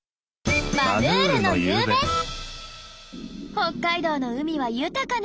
北海道の海は豊かね。